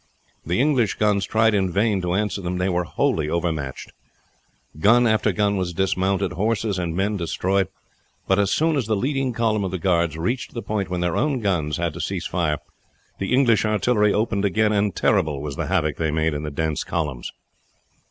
The English guns tried in vain to answer them: they were wholly overmatched. Gun after gun was dismounted, horses and men destroyed; but as soon as the leading column of the guards reached the point when their own guns had to cease fire, the English artillery opened again, and terrible was the havoc they made in the dense columns.